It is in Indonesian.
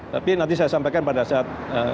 tapi nanti saya sampaikan pada saat